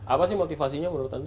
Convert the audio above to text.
apa sih motivasinya menurut anda